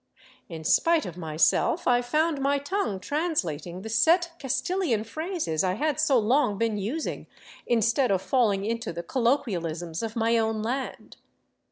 In spite of myself I found my tongue translating the set Castilian phrases I had so long been using, instead of falling into the colloquial isms of my own land.